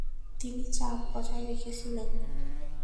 তিনি চাপ বজায় রেখেছিলেন।